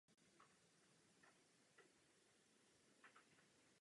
Jako lyrický tenor se specializoval na interpretaci barokní a soudobé hudby.